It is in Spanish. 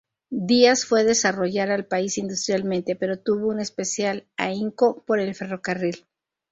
Díaz fue desarrollar al país industrialmente, pero tuvo un especial ahínco por el ferrocarril.